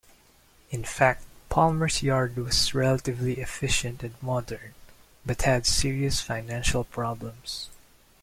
In fact Palmer's yard was relatively efficient and modern, but had serious financial problems.